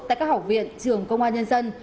tại các học viện trường công an nhân dân